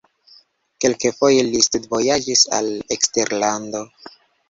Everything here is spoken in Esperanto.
Kelkfoje li studvojaĝis al eksterlando.